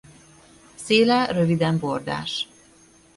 Széle röviden bordás.